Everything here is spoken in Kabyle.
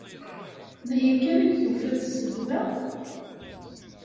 D aya kan i d-tufiḍ d ssebba?